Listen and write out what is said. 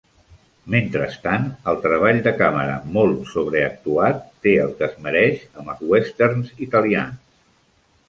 Mentrestant, el treball de càmera molt sobreactuat té el que es mereix amb els westerns italians.